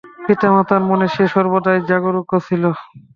পিতামাতার মনে সে সর্বদাই জাগরূক ছিল।